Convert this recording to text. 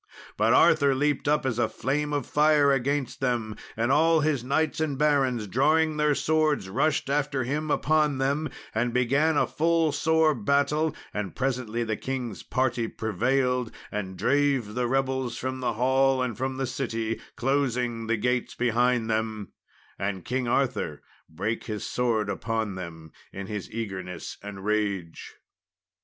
But Arthur leaped up as a flame of fire against them, and all his knights and barons drawing their swords, rushed after him upon them and began a full sore battle; and presently the king's party prevailed, and drave the rebels from the hall and from the city, closing the gates behind them; and King Arthur brake his sword upon them in his eagerness and rage.